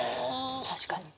確かに。